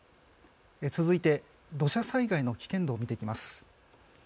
続いて、土砂災害の危険度を見ていきます。